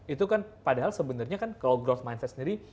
itu kan padahal sebenarnya kan kalau growth mindset sendiri